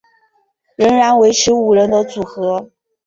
仍然维持五人的组合。